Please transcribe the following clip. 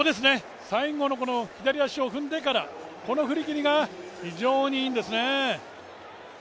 最後の左足を踏んでからこの振り切りが非常にいいんですね。